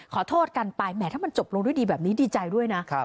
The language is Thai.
ขอโทษกันไปแหมถ้ามันจบลงด้วยดีแบบนี้ดีใจด้วยนะ